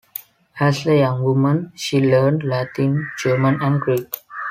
As a young woman she learned Latin, German and Greek.